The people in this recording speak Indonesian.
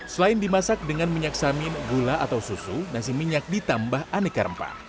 selain dimasak dengan minyak samin gula atau susu nasi minyak ditambah aneka rempah